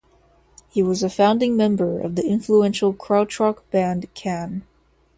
He was a founding member of the influential krautrock band Can.